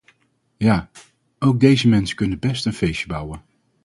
Ja, ook deze mensen kunnen best een feestje bouwen.